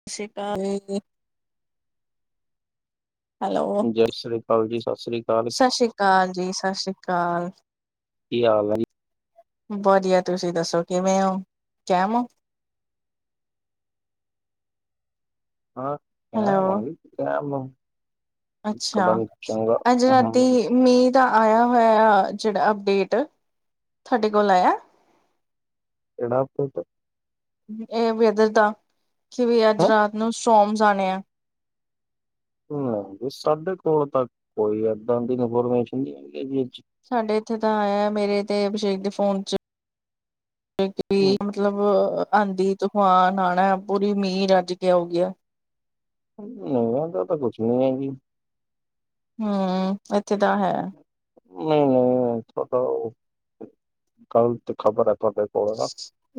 ਸਤਿ ਸ੍ਰੀ ਅਕਾਲ। ਹੈਲੋ, ਜੈ ਸ੍ਰੀ ਅਕਾਲ ਜੀ, ਸਤਿ ਸ੍ਰੀ ਅਕਾਲ, ਸਤਿ ਸ੍ਰੀ ਅਕਾਲ ਜੀ, ਸਤਿ ਸ੍ਰੀ ਅਕਾਲ। ਕੀ ਹਾਲ ਹੈ ਜੀ। ਵਧੀਆ ਤੁਸੀਂ ਦੱਸੋ ਕਿਵੇਂ ਹੋ ਕੈਮ ਹੋ? ਹਾਂ ਕੈਮ ਹੈਲੋ, ਆ ਬਈ ਕੈਮ ਆ। ਅੱਛਾ ਅੱਜ ਰਾਤੀ ਮੀਂਹ ਦਾ ਆਇਆ ਹੋਇਆ ਜਿਹੜਾ ਅਪਡੇਟ ਤੁਹਾਡੇ ਕੋਲ ਆਇਆ? ਕਿਹੜਾ ਭੂਤ? ਇਹ ਵੀ ਏਦਰ ਤਾਂ ਕਿ ਵੀ ਅੱਜ ਹੈਂ ਰਾਤ ਨੂੰ ਸਤਰੋਮਜ ਆਣੇ ਆ ਹਮ ਆ ਵੀ ਸਾਡੇ ਕੋਲ ਤਾਂ ਕੋਈ ਇਦਾਂ ਦੀ ਇਨਫੋਰਮੇਸ਼ਨ ਨਹੀਂ ਹੈਗੀ ਜੀ ਸਾਡੇ ਇੱਥੇ ਤਾਂ ਇਹ ਆ ਮੇਰੇ ਤੇ ਅਭਿਸ਼ੇਕ ਦੇ ਫੋਨ ਚ ਵੀ ਇਹ 'ਚ। ਮਤਲਬ। ਆਂਧੀ ਤਫਾਨ ਆਉਣਾ ਪੂਰੀ ਮੀਹ ਰੱਜ ਕੇ ਆਉਗੀ ਨਹੀਂ ਏਧਰ ਤਾਂ ਕੁਛ ਨੀ ਹੈਗੀ ਹਮ ਇੱਥੇ ਤਾਂ ਹੈ। ਨਹੀਂ ਨਹੀਂ ਤੁਹਾਡਾ ਉਹ ਗਲਤ ਖ਼ਬਰ ਹੈ ਤੁਹਾਡੇ ਕੋਲ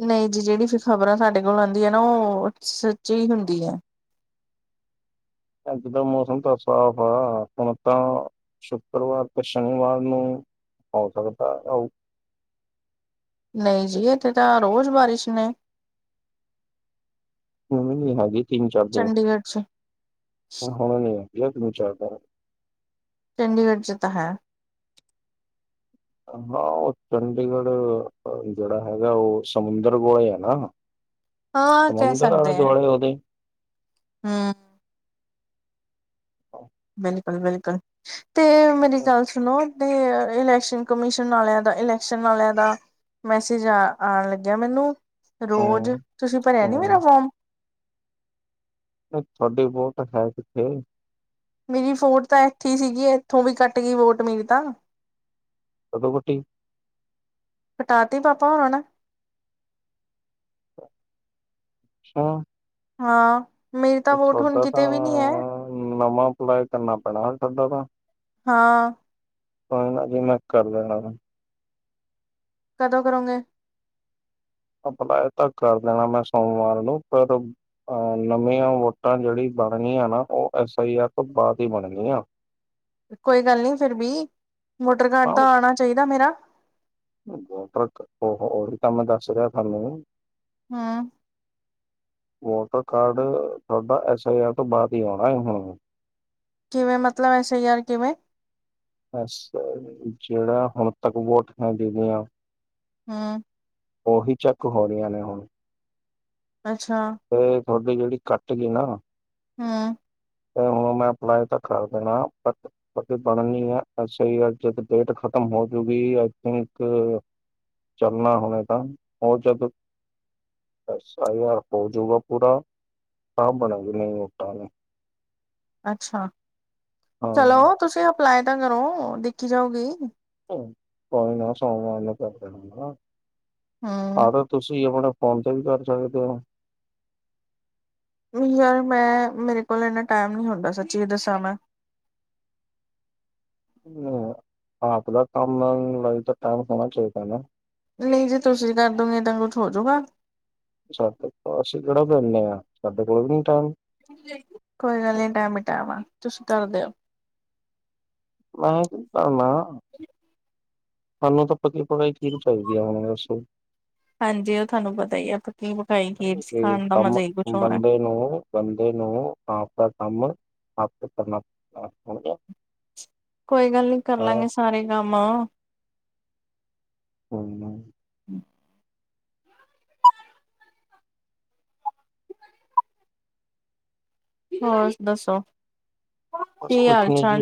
ਨਹੀਂ ਜੀ ਜਿਹੜੀ ਫਿਰ ਖ਼ਬਰਾਂ ਸਾਡੇ ਕੋਲ ਆਉਂਦੀਆਂ ਨਾ ਉਹ ਸੱਚੀ ਹੁੰਦੀ ਆ। ਅੱਜ ਦਾ ਮੌਸਮ ਤਾਂ ਸਾਫ਼ ਆ ਹੁਣ ਤਾਂ ਸ਼ੁੱਕਰਵਾਰ ਤੇ ਸ਼ਨੀਵਾਰ ਨੂੰ ਹੋ ਸਕਦਾ। ਨਹੀਂ ਜੀ ਇੱਥੇ ਤਾਂ ਰੋਜ਼ ਬਾਰਿਸ਼ ਨੇ ਹੁਣ ਨੀ ਹੈਗੀ ਤਿੰਨ ਚਾਰ ਦਿਨ ਚੰਡੀਗੜ੍ਹ ਚ ਹੁਣ ਹੋਣ ਨੀ ਲੱਗਿਆ ਤਿੰਨ ਚਾਰ ਦਿਨ ਚੰਡੀਗੜ੍ਹ ਚ ਤਾਂ ਹੈ। ਹਾਂ ਓ ਚੰਡੀਗੜ੍ਹ, ਜੇੜਾ ਹੈਗਾ ਉਹ ਸਮੁੰਦਰ ਕੋਲੇ ਐ ਨਾ। ਹਾਂ ਕਹਿ ਸਮੁੰਦਰ ਸਕਦੇ ਹੈ ਆਲੇ-ਦੁਆਲੇ ਉਹਦੇ। ਹਮ [inaudible] ਬਿਲਕੁਲ-ਬਿਲਕੁਲ, ਤੇ ਮੇਰੀ ਗੱਲ ਸੁਣੋ। ਤੇ ਇਲੈਕਸ਼ਨ ਕਮਿਸ਼ਨ ਵਾਲੇਆਂ ਦਾ ਇਲੈਕਸ਼ਨ ਵਾਲੇਆਂ ਦਾ ਮੈਸੇਜ ਆ ਆਣ ਲੱਗਿਆ ਮੈਨੂੰ, ਰੋਜ਼ ਹੂੰ ਤੁਸੀਂ ਭਰਿਆ ਨੀ ਹੂੰ ਮੇਰਾ ਫੋਮ? ਤੁਹਾਡੀ ਵੋਟ ਹੈ ਕਿੱਥੇ? ਮੇਰੀ ਵੋਟ ਤਾਂ ਇੱਥੇ ਸੀਗੀ ਇੱਥੋਂ ਵੀ ਕੱਟ ਗੀ ਵੋਟ ਮੇਰੀ ਤਾਂ। ਕਦੋਂ ਕੱਟੀ? ਕਟਾ ਤੀ ਪਾਪਾ ਹੋਣਾਂ ਨੇ। ਛਾ ਹਾਂ, ਮੇਰੀ ਤਾਂ ਵੋਟ ਹੁਣ ਤਾਂ ਕਿਤੇ ਵੀ ਨੀ ਹੈ। ਨਵਾਂ ਅਪਲਾਈ ਕਰਨਾ ਪੈਣਾ ਤੁਹਾਡਾ ਤਾਂ। ਹਾਂ। ਹ ਨਾ ਜਿ ਮੈਂ ਕਰ ਲੈਣਾ ਵਾ। ਕਦੋਂ ਕਰੋਗੇ? ਅਪਲਾਏ ਤਾਂ ਕਰ ਦੇਣਾ ਮੈਂ ਸੋਮਵਾਰ ਨੂੰ ਪਰ ਅ ਨਵੀਆਂ ਵੋਟਾਂ ਜੇੜੀ ਬਣਨੀਆ ਨਾ ਓ ਐਸ ਆਈ ਆਰ ਤੋਂ ਬਾਦ ਈ ਬਣਨੀਆ। ਕੋਈ ਗੱਲ ਨੀ ਫਿਰ ਵੀ, ਵੋਟਰ ਕਾਰਡ ਤਾਂ ਆਣਾ ਚਾਈਦਾ ਮੇਰਾ। ਵੋਟਰ ਉਹ ਉਹੀ ਤਾਂ ਮੈਂ ਦੱਸ ਰਿਹਾ ਥੋਨੂੰ। ਹਮ ਵੋਟਰ ਕਾਰਡ, ਥੋਡਾ ਐਸ ਆਈ ਆਰ ਤੋਂ ਬਾਦ ਈ ਆਉਣਾ ਏ ਹੁਣ। ਕਿਵੇਂ ਮਤਲਬ ਐਸ ਆਈ ਆਰ ਕਿਵੇਂ? ਐਸ, ਜੇੜਾ ਹੁਣ ਤੱਕ ਵੋਟ ਹੈਗੀ ਗੀ ਆ। ਹਮ ਉਹੀ ਚੈੱਕ ਹੋ ਰਈਆਂ ਨੇ ਹੁਣ। ਅੱਛਾ। ਤੇ ਥੋਡੀ ਜੇੜੀ ਕੱਟ ਗੀ ਨਾ। ਹਮ ਤੇ ਹੁਣ ਮੈਂ ਅਪਲਾਈ ਤਾਂ ਕਰ ਦੇਣਾ ਬਟ ਅਤੇ ਬਣਨੀ ਐ ਐਸ ਆਈ ਆਰ ਜਦ ਡੇਟ ਖਤਮ ਹੋ ਜੂਗੀ ਆਈ ਥਿੰਕ ਚਲਣਾ ਹੁਣੇ ਤਾਂ, ਓ ਜਦ ਐਸ ਆਈ ਆਰ ਹੋਜੂਗਾ ਪੂਰਾ, ਤਾਂ ਬਣੇਗੀ ਨਈ ਵੋਟਾਂ। ਅੱਛਾ, ਹਾਂ। ਚਲੋ ਤੁਸੀਂ ਅਪਲਾਏ ਤਾਂ ਕਰੋ ਦੇਖੀ ਜਾਊਗੀ। ਕੋਈ ਨਾ ਸੋਮਵਾਰ ਨੂੰ ਕਰ ਦਿੰਨੇ ਹੂੰ ਆਂ ਤੁਸੀਂ ਆਪਣੇ ਫੋਨ ਤੇ ਵੀ ਕਰ ਸਕਦੇ ਓ। ਯਾਰ ਮੈਂ, ਮੇਰੇ ਕੋਲ ਇੰਨਾ ਟਾਈਮ ਨੀ ਹੁੰਦਾ ਸੱਚੀ ਦੱਸਾਂ ਮੈਂ ਹਮ ਆਪ ਦਾ ਕੰਮ ਲਈ ਤਾਂ ਟਾਈਮ ਹੋਣਾ ਚਾਈਦਾ ਨਾ। ਨਈ ਜੇ ਤੁਸੀਂ ਕਰਦੋਗੇ ਤਾਂ ਕੁੱਛ ਹੋਜੂਗਾ। ਸਾਡੇ ਕੋ ਅਸੀਂ ਕੇੜਾ ਵੇਲੇ ਆਂ ਸਾਡੇ ਕੋਲ ਵੀ ਨੀ ਟਾਈਮ। ਕੋਈ ਗੱਲ ਨੀ ਟੈਮ ਈ ਟੈਮ ਆ, ਤੁਸੀਂ ਕਰ ਦਿਓ। ਮੈਂ ਤੇ ਨੀ ਭਰਨਾ। ਸਾਨੂੰ ਤਾਂ ਪੱਕੀ ਪਕਾਈ ਖੀਰ ਚਾਈਦੀ ਐ ਹੁਣ ਦੱਸੋ। ਹਾਂਜੀ ਉਹ ਤੁਹਾਨੂੰ ਪਤਾ ਹੀ ਆਪਾਂ ਪੱਕੀ ਪਕਾਈ ਖੀਰ ਖਾਣ ਦਾ ਕੰਮ ਮਜ਼ਾ ਹੀ ਕੁਛ ਹੋਰ ਹੈ ਬੰਦੇ ਨੂੰ ਬੰਦੇ ਨੂੰ ਆਪਦਾ ਕੰਮ ਆਪੇ ਕਰਨਾ ਹੈ, ਸਮਝੇ। ਕੋਈ ਗੱਲ ਨੀ ਕਰਲਾਂਗੇ ਸਾਰੇ ਕੰਮ ਆ। ਹੋ ਨਹੀਂ ਹੋਰ ਦੱਸੋ ਬਸ ਕੀ ਹਾਲ ਕੁਛ ਨੀ ਚਾਲ ਜੀ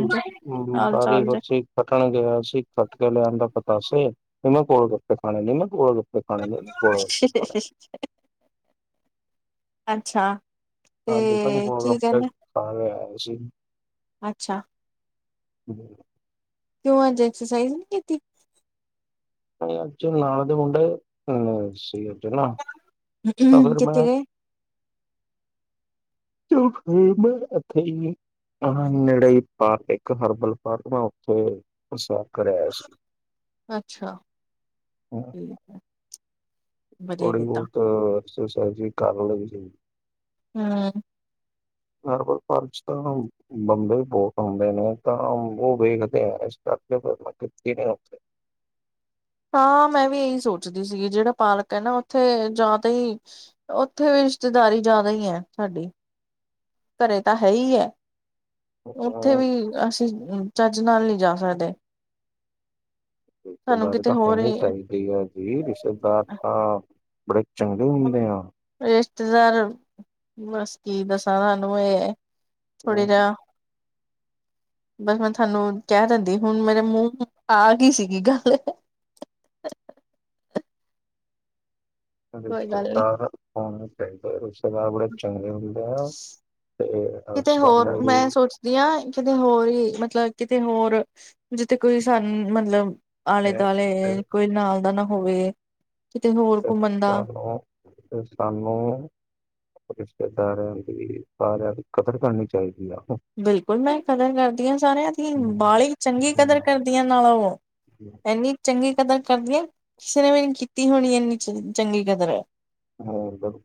ਹਾਲ ਬਾਰੀ ਚਾਲ ਜੀ। ਵਰਸ਼ੀ ਕੱਟਣ ਗਿਆ ਸੀ ਕੱਟ ਕੇ ਲਿਆਦਾ ਪਤਾਸੇ, ਵੀ ਮੈਂ ਕੋਲ ਗੱਪੇ ਖਾਣੇ ਨ ਮੈਂ ਕੋੋਲ ਗੱਪੇ। ਖਾਣੇ ਨਹੀਂ ਮੈਂ ਗੋਲ ਗੱਪੇ ਖਾਣੇ ਅੱਛਾ ਤੇ ਹਾਂਜੀ, ਜਦੰਨ ਗੋਲ ਕੀ ਗੱਪੇ ਕਹਿੰਦੇ ਖਾਣ ਲੀਆਏਸੀ ਅੱਛਾ ਹਮ ਕਿਉਂ ਅਜ ਐਕਸਰਸਾਈਜ਼ ਨਹੀਂ ਕੀਤੀ। ਨਹੀਂ ਆਜ ਨਾਲ ਦੇ ਮੁੰਡੇ ਸੀ ਉਦਰ ਨਾ। ਤਾਂ ਫਿਰ ਕਿੱਥੇ ਮੈਂ ਗਏ [inaudible] [unintelligible] ਆ ਨੇੜੇ ਹੀ ਪਾਰਕ ਇੱਕ ਹਰਬਲ ਪਾਰਕ ਮੈ ਉੱਥੇ, ਪੇਸ਼ਾਬ ਕਰਿਆਆ ਸੀ। ਅੱਛਾ ਠੀਕ ਹੈ ਵਧੀਆ ਥੋੜੀ ਕੀਤਾ ਬਹੁਤ ਐਕਸਰਸਾਈਜ਼ ਵਿ ਕਰ ਲੈਣ ਚਾਹਿਦੀ [unintelligible] ਹਰਬਲ ਪਾਰਕ ਵਿੱਚ ਤਾਂ ਹਾਉ। ਬੰਦਰ ਬਹੁਤ ਹੁੰਦੇ ਨੇ, ਤਾਂ ਉਹ ਵੇਖਦੇ ਆ ਇਸ ਕਰਕੇ ਮੈਂ ਕੀਤੀ ਨੇ ਉੱਥੇ ਹਾਂ, ਮੈਂ ਵੀ ਇਹੀ ਸੋਚਦੀ ਸੀਗੀ, ਜਿਹੜਾ ਪਾਰਕ ਹੈ ਨਾ ਉੱਥੇ ਜਾਦਾ ਹੀ ਉੱਥੇ ਵੀ ਰਿਸ਼ਤੇਦਾਰੀ ਜ਼ਿਆਦਾ ਹੀ ਹੈ ਸਾਡੀ ਘਰੇ ਤਾਂ ਹੈ ਹੀ ਹੈ। ਉੱਥੇ ਹਾਂ ਵੀ ਅਸੀਂ ਚੱਜ ਨਾਲ ਨਹੀਂ ਜਾ ਸਕਦੇ। ਇਸ ਸਾਨੂੰ ਬਾਰੇ ਕਿਤੇ ਤਾਂ ਹੋਰ ਹੋਣੀ ਹੀ ਚਾਹੀਦੀ। ਕਿ ਗਲ਼ ਜੀ ਰਿਸ਼ਤੇਦਾਰ ਤਾਂ ਬੜੇ ਚੰਗੇ ਹੁੰਦੇ ਆ। ਰਿਸ਼ਤੇਦਾਰ, ਬਸ ਕੀ ਦੱਸਾਂ ਤੁਹਾਨੂੰ ਇਹ। ਥੋੜ੍ਹੀ ਦਾ ਬਸ ਮੈਂ ਤੁਹਾਨੂੰ ਕਹਿ ਦਿੰਦੀ ਹੁਣ ਮੇਰੇ ਮੂੰਹ ਆ ਗਈ ਸੀਗੀ ਗੱਲ। ਕੋਈ ਗੱਲ ਨੀ ਰਿਸ਼ਤੇਦਾਰ ਹੋਣਾ ਚਾਹੀਂਦਾ ਰਿਸ਼ਤੇਦਾਰ ਬੜੇ। ਚੰਗੇ ਹੁੰਦੇ ਆ ਤੇ ਸਾਨੂੰ ਵੀ। ਵਧੀਆ ਕਿਤੇ ਹੋਰ ਹੀ ਮਤਲਬ, ਕਿਤੇ ਹੋਰ ਜਿੱਥੇ ਕੋਈ ਸਾਨੂੰ ਮਤਲਬ ਆਲੇ ਇਹ ਦੁਆਲੇ ਇਹ ਕੋਈ ਨਾਲ ਦਾ ਨਾਂ ਹੋਵੇਂ ਇਸ ਸਾਨੂੰ ਤੇ ਸਾਨੂੰ ਰਿਸ਼ਤੇਦਾਰਿਆਂ ਦੀ ਸਾਰਿਆਂ ਦੀ ਕਦਰ ਕਰਨੀ ਚਾਹੀਦੀ ਹੈਂ। ਬਿਲਕੁਲ ਮੈਂ ਕਦਰ ਕਰਦੀ ਹਾਂ ਸਾਰਿਆਂ ਦੀ ਹਮ, ਬਾਲੀ ਚੰਗੀ ਹਮ, ਕਦਰ ਹਮ, ਕਰਦੀ ਹ ਨਾਲੋਂ ਉਹ, ਐਨੀ, ਚੰਗੀ ਕਦਰ ਕਰਦੀਆਂ ਕਿਸੇ ਨੇ ਵੀੇਰੀ ਕੀਤੀ ਹੋਣੀ ਇੰਨੀ ਚੰਗੀ ਕਦਰ, ਹੈ ਇਧਰ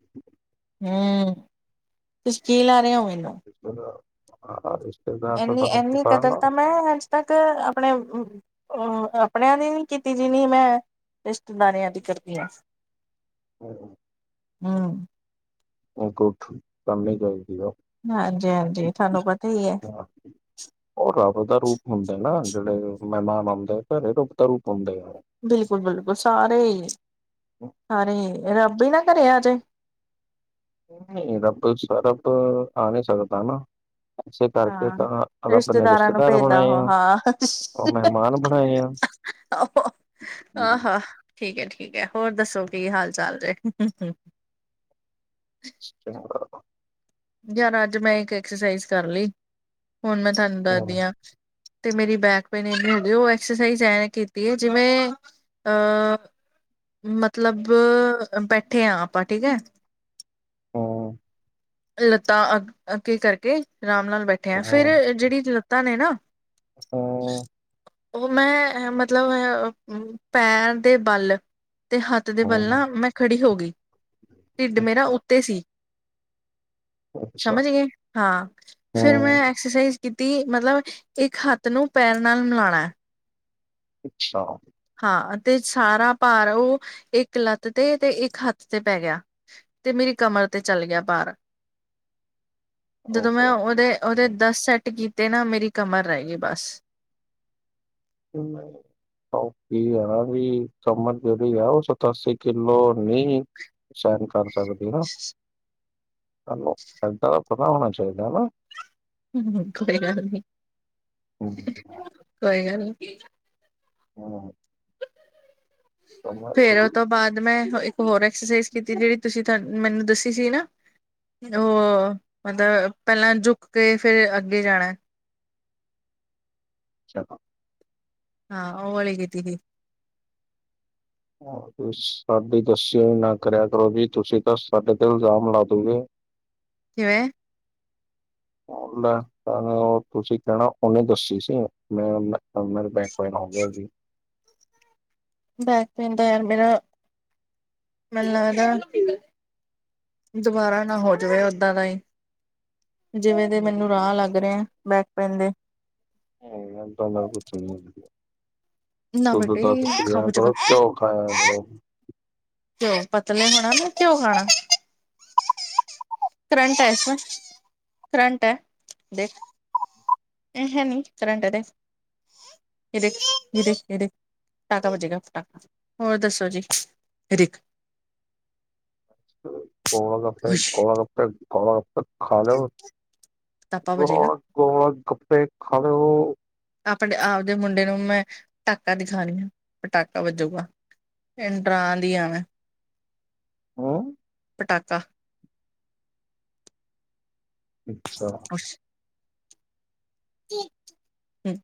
ਤੁਸੀ ਕੀ ਲਾ ਰਹੇ ਹੋ ਮੈਨੂੰ [unintelligible] ਇਨੀਂ ਤੁਹਾਨੂੰ ਇੰਨੀ ਪਤਾ ਕਦਰ ਨਾ ਤਾਂ ਮੈਂ ਅੱਜ ਤੱਕ ਆਪਣੇ। ਉਹ ਆਪਣਿਆਂ ਦੀ ਨੀ ਕੀਤੀ ਜਿਨੀ ਮੈਂ, ਰਿਸ਼ਤੇਦਾਰਿਆਂ ਦੀ ਕਰਦੀ ਹਾਂ। ਹੂੰ-ਹੂੰ। ਹੂੰ। ਉਹ ਕੋ ਉਠ ਕਰਨੇ ਜਾਈਦੀ ਆ। ਹਾਂਜੀ- ਹਾਂਜੀ, ਤੁਹਾਨੂੰ ਪਤਾ ਹੀ ਹੈ। ਹਾਂ, ਉਹ ਰੱਬ ਦਾ ਰੂਪ ਹੁੰਦੇ ਨਾ ਜਿਹੜੇ ਮਹਿਮਾਨ ਆਉਂਦੇ ਆ ਘਰੇ ਰੁੱਬ ਦਾ ਰੂਪ ਹੁੰਦੇ ਆ ਉਹ। ਬਿਲਕੁਲ- ਬਿਲਕੁਲ ਸਾਰੇ, ਸਾਰੇ ਰੱਬ ਹੀ ਨਾ ਘਰੇ ਆਜੇ। ਨਹੀਂ ਰੱਬ ਸ ਰੱਬ, ਆ ਨਹੀਂ ਸਕਦਾ ਨਾ। ਇਸੇ ਕਰਕੇ ਹਾਂ, ਤਾਂ ਰੱਬ ਨੇ ਰਿਸ਼ਤੇਦਾਰਾਂ ਨੂੰ ਰਿਸ਼ਤੇਦਾਰ ਭੇਜਦਾ ਬਣਾਏ ਉਹ ਆ ਹਾਂ। ਉਹ ਮਹਿਮਾਨ ਬਣਾਏ ਆ। ਆਹੋ, ਆਹ ਹੋ, ਹਾ-ਹਾ। ਠੀਕ ਹੈ- ਠੀਕ ਹੈ, ਹੋਰ ਦੱਸੋ ਕੀ ਹਾਲ ਚਾਲ ਜੇ? ਅਛ ਯਾਰ ਅੱਜ ਮੈਂ ਇੱਕ ਐਕਸਰਸਾਈਜ਼ ਕਰ ਲਈ, ਹੁਣ ਮੈਂ ਤੁਹਾਨੂੰ ਦੱਸਦੀ ਹਾਂ। ਤੇ ਮੇਰੀ ਬੈਕਪੇਨ ਇੰਨੀ ਹੋ ਗਈ ਉਹ ਐਕਸਰਸਾਈਜ਼ ਐ ਕੀਤੀ ਹੈ ਜਿਵੇਂ ਅਹ, ਮਤਲਬ ਬੈਠੇ ਹਾਂ ਆਪਾਂ ਠੀਕ ਹੈ। ਲੱਤਾ ਅ ਅੱਗੇ ਕਰਕੇ ਆਰਾਮ ਨਾਲ ਬੈਠੇ ਆ, ਫੇਰ ਜਿਹੜੀ ਲੱਤਾ ਨੇ ਨਾ। ਹੂੰ। ਉਹ ਮੈਂ ਏਹ ਮਤਲਬ ਮੈ ਪੈਰ ਦੇ ਬੱਲ। ਤੇ ਹੱਥ ਦੇ ਵੱਲ ਨਾ ਮੈਂ ਖੜੀ ਹੋ ਗਈ, ਢਿੱਡ ਮੇਰਾ ਉੱਤੇ ਸੀ। ਅੱਛਾ ਸਮਝ ਗਏ? ਹਾਂ, ਫੇਰ ਮੈਂ ਹੂੰ ਐਕਸਰਸਾਈਜ਼ ਕਿ ਕੀਤੀ, ਮਤਲਬ ਇੱਕ ਹੱਥ ਨੂੰ ਪੈਰ ਨਾਲ ਮਿਲਾਉਣਾ ਏ। ਅੱਛਾ। ਹਾਂ ਅਤੇ ਸਾਰਾ ਭਾਰ ਉਹ, ਇੱਕ ਲੱਤ ਤੇ, ਤੇ ਇੱਕ ਹੱਥ ਤੇ ਪੈ ਗਿਆ। ਤੇ ਮੇਰੀ ਕਮਰ ਤੇ ਚੱਲ ਗਿਆ ਪਾਰ। ਜਦੋਂ ਮੈਂ ਓਹੋ ਉਹਦੇ ਓਦੇ, ਦੱਸ ਸੈੱਟ ਕੀਤੇ ਨਾ ਮੇਰੀ ਕਮਰ ਰਹਿ ਗਈ ਬਸ। ਹੂੰ ਇਹ ਕੀ ਹੈ ਵੀ, ਕੰਮਰ ਜੇਰੀ ਹੈ ਉਹ ਸਤਾਸੀ ਕਿਲੋ ਨੀ ਸਹਿਨ ਕਰ ਸਕਦੀ ਨਾ, ਸਾਨੂੰ ਏਦਾਂ ਪਤਾ ਹੋਣਾ ਚਾਹੀਦਾ ਨਾ। ਹੂੰ ਕੋਈ ਗੱਲ ਨੀ, ਕੋਈ ਗੱਲ ਨੀ। ਹੂੰ। ਫੇਰ ਉਹ ਤੋਂ ਬਾਅਦ ਮੈਂ ਇੱਕ ਹੋਰ ਐਕਸਰਸਾਈਜ਼ ਕੀਤੀ ਜਿਹੜੀ ਤੁਸੀਂ, ਮੈਨੂੰ ਦੱਸੀ ਸੀ ਨਾ। ਉਹ, ਮਤਲਬ ਪਹਿਲਾਂ ਜੁੱਕ ਕੇ ਫੇਰ ਅੱਗੇ ਜਾਣਾ। ਚੱਲੇ। ਹਾਂ, ਉਹ ਵਾਲੀ ਕੀਤੀ ਤੀ। ਸਾਡੀ ਦਸੀਿਓ ਨਾ ਕਰਿਆ ਕਰੋ ਜੀ, ਤੁਸੀਂ ਤਾਂ ਸਾਡੇ ਤੇ ਇਲਜ਼ਾਮ ਲਾ ਦੋਗੇ। ਕਿਵੇਂ? ਉਹ ਤੁਸੀਂ ਕਹਿਣਾ, ਉਹਨੇ ਦੱਸੀ ਸੀ ਮੈਂ ਮੇਰੇ ਭੈਣ। ਕੋ ਹੇ ਜੇ ਗੀ। ਬੈਕ ਪੇਨ ਤੇ ਮੇਰਾ, ਮੈਨੂੰ ਲੱਦਾ। ਦੁਬਾਰਾ ਨਾ ਹੋ ਜਾਵੇ ਓਦਾਂ ਦਾ ਹੀ, ਜਿਵੇਂ ਦੇ ਮੈਨੂੰ ਰਾਹ ਲੱਗ ਰਿ ਪੈਂਦੇ। ਹ। [unintelligible] ਨਾ ਬੇਟੇ ਖਾ ਖਾਇਆ ਪੁਚਕਾ ਕਰੋ। ਘਿਉ ਪਤਲੇ ਹੋਣਾ ਨਾ, ਘਿਉਂ ਖਾਣਾ। ਕਰੰਟ ਹੈ ਇੱਥੇ, ਕਰੰਟ ਹੈ, ਦੇਖ। ਅ ਹੈ ਨੀ, ਕਰੰਰਟ ਦੇ। ਇਹ ਦੇਖ, ਇਹ ਦੇਖ, ਇਹ ਦੇਖ ਪਟਾਕਾ ਵੱਜੇਗਾ, ਪਟਾਕਾ, ਹੋਰ ਦੱਸੋ ਜੀ? ਇਹ ਦੇਖ ਗੋਲਗੱਪੇ, ਗੋਲਗੱਪੇ, ਗੋਲਗੱਪੇ। ਖਾ ਲਓ, ਪਤਾਪਾ ਵਜੇਗਾ ਗੋਲ, ਗੋਲ, ਗੱਪੇ, ਖਾ ਲਓ। ਆਪਣੇ ਆਪਦੇ ਮੁੰਡੇ ਨੂੰ ਮੈਂ ਪਟਾਕਾ ਦਿਖਾਣੀ ਹ, ਪਟਾਕਾ ਵੱਜੂਗਾ। ਇਡਰਾਂ ਦੀਆਂ ਨੇ ਮੈੰ ਹਮ। ਪਟਾਕਾ। ਅੱਛਾ। ਖੁਸ਼। ਹਮ,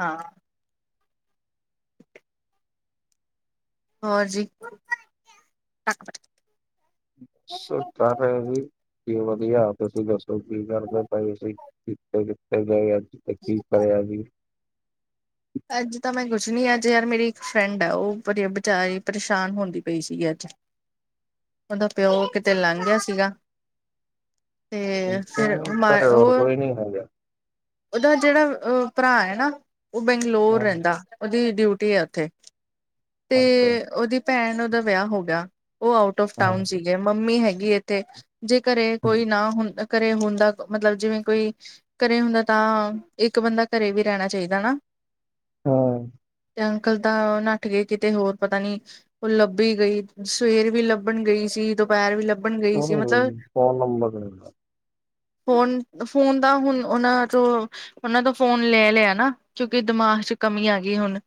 ਹਾਂ। ਹੋਰ ਜੀ। ਸੁਤਾ ਹੈ ਜੀ, ਵੀ ਵਧੀਆ। ਤੁਸੀਂ ਦੱਸੋ ਕੀ ਕਰਦੇ ਪਏ ਸੀ, ਕਿੱਥੇ- ਕਿੱਥੇ ਗਏ ਅੱਜ, ਆ ਕੀ ਕਰਿਆ ਜੀ। ਅੱਜ ਤਾਂ ਮੈਂ ਕੁਛ ਨੀ, ਅੱਜ ਯਾਰ ਮੇਰੀ ਇੱਕ ਫਰੈਂਡ ਆ, ਉਹ ਵਿਚਾਰੀ ਪਰੇਸ਼ਾਨ ਹੁੰਦੀ ਪਈ ਸੀਗੀ ਅੱਜ। ਉਹਦਾ ਪਿਓ ਕਿਤੇ ਲੰਘ ਗਿਆ ਸੀਗਾ। ਤੇ ਅੱਛਾ, ਫਿਰ ਘਰੇ ਹੋਰ ਕੋਈ ਨੀ ਹੈਗਾ। ਓਹਦਾ ਜਿਹੜਾ ਭਰਾ ਹੈ ਨਾ, ਉਹ ਬੰਗਲੋਰ ਰਹਿੰਦਾ, ਓਹਦੀ ਡਿਊਟੀ ਆ ਉੱਥੇ। ਤੇ, ਉਹਦੀ ਭੈਣ ਉਹਦਾ ਵਿਆਹ ਹੋ ਗਿਆ, ਉਹ ਆਊਟ ਆਫ ਟਾਊਨ ਅੱਛਾ। ਸੀ। ਮੰਮੀ ਹੈਗੀ ਇੱਥੇ, ਜੇ ਘਰੇ ਕੋਈ ਨਾ ਹੁੰ ਘਰੇ ਹੁੰਦਾ ਮਤਲਬ ਜਿਵੇਂ ਕੋਈ। ਘਰੇ ਹੁੰਦਾ ਤਾਂ, ਇੱਕ ਬੰਦਾ ਘਰੇ ਵੀ ਰਹਿਣਾ ਚਾਹੀਦਾ ਨਾ। ਹਾਂ। ਅੰਕਲ ਦਾ ਨਾ। ਉੱਠ ਕੇ ਕਿਤੇ ਹੋਰ ਪਤਾ ਨੀ, ਉਹ ਲੱਭੀ ਗਈ, ਸਵੇਰ ਵੀ ਲੱਭਣ ਗਈ ਸੀ। ਪੈਰ ਵੀ ਲੱਭਣ ਗਈ ਸੀ ਮਤਲਬ। ਫੋਨ ਨੰਬਰ ਫੋਨ, ਫੋਨ ਦਾ ਹੁਣ ਉਹਨਾਂ 'ਚੋ। ਉਹਨਾਂ ਤੋਂ ਫੋਨ ਲੈ ਲਿਆ ਨਾ, ਕਿਉਂਕਿ ਦਿਮਾਗ 'ਚ ਕਮੀ ਆ ਗਈ ਹੁਣ,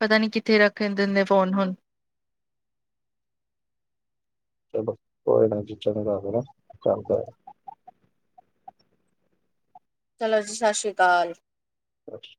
ਪਤਾ ਨੀ ਕਿੱਥੇ ਰੱਖ। ਕਹਿੰ ਦਿੰਦੇ ਫੋਨ ਹੁਣ। ਚਲੋ ਕੋਈ ਨਾ ਜੀ ਚ ਨੂੰ ਕਰ ਚੱਲ ਕਰ। ਚਲੋ ਜੀ ਸਤਿ ਸ਼੍ਰੀ ਅਕਾਲ। ਅੱਛਾ।